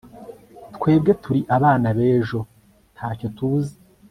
twebwe turi abana b'ejo, nta cyo tuzi